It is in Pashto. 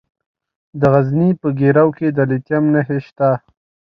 د غزني په ګیرو کې د لیتیم نښې شته.